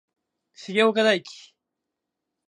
重岡大毅